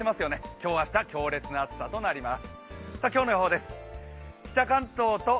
今日明日、強烈な暑さとなります。